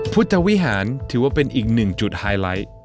พุทธวิหารถือว่าเป็นอีกหนึ่งจุดไฮไลท์